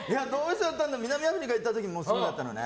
南アフリカに行った時もそうだったのね。